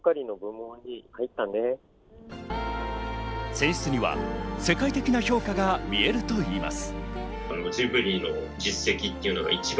選出には世界的な評価がみえるといいます。